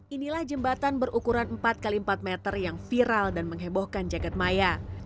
inilah jembatan berukuran empat x empat meter yang viral dan menghebohkan jagadmaya